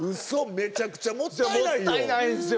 めちゃくちゃもったいないよ。